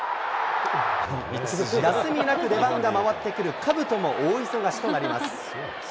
休みなく出番が回ってくるかぶとも大忙しとなります。